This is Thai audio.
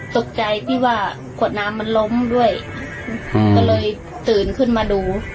ตกใจที่ว่าขวดน้ำมันล้มด้วยก็เลยตื่นขึ้นมาดู